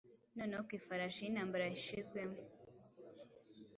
Noneho ku ifarashi yintambara yashizwemo